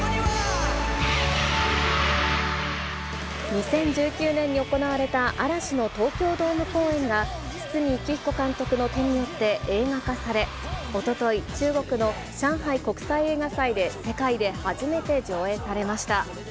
２０１９年に行われた嵐の東京ドーム公演が堤幸彦監督の手によって映画化され、おととい、中国の上海国際映画祭で、世界で初めて上映されました。